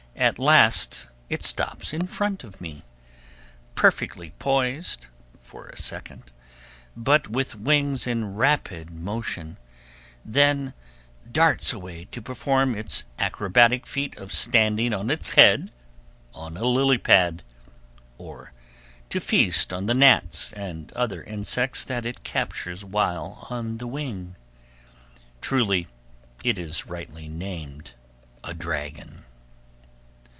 At last it stops in front of me, perfectly poised for a second, but with wings in rapid motion, then darts away to perform its acrobatic feat of standing on its head on a lilypad, or to feast on the gnats and other insects that it captures while on the wing. Truly it is rightly named a dragon.